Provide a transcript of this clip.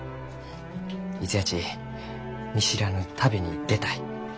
いつやち見知らぬ旅に出たい。